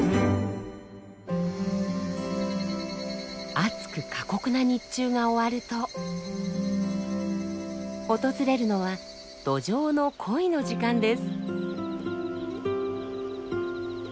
暑く過酷な日中が終わると訪れるのはドジョウの恋の時間です。